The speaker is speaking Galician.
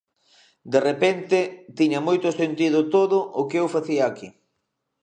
De repente tiña moito sentido todo o que eu facía aquí.